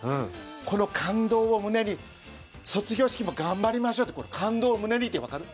この感動を胸に卒業式も頑張りましょうって感動を胸にって分かる？